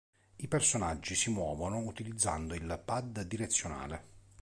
I personaggi si muovono utilizzando il pad direzionale.